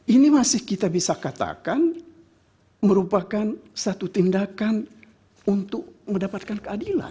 ini masih kita bisa katakan merupakan satu tindakan untuk mendapatkan keadilan